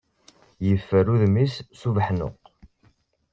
Yeffer udem-is s ubeḥnuq.